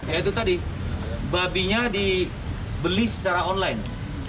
ya itu tadi babinya dibeli secara online